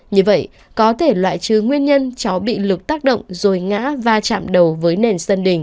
như vậy có thể loại trừ nguyên nhân cháu bị lực tác động rồi ngã va chạm đầu với nền sân đình